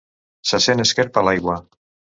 Se sent esquerp a l'aigua.